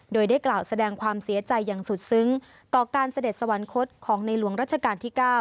โดยได้กล่าวแสดงความเสียใจอย่างสุดซึ้งต่อการเสด็จสวรรคตของในหลวงรัชกาลที่๙